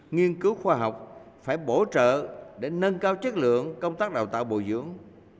nghiên cứu khoa học phải bổ trợ để nâng cao chất lượng công tác đào tạo bồi dưỡng